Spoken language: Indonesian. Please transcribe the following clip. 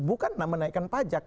bukan menaikkan pajak